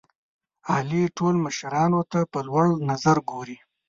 علي ټول مشرانو ته په لوړ نظر ګوري.